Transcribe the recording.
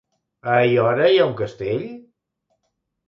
A Aiora hi ha un castell?